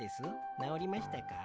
なおりましたか？